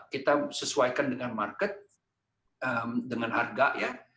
kita sesuaikan dengan market dengan harga ya